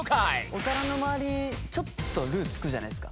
お皿のまわりちょっとルーつくじゃないですか。